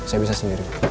saya bisa sendiri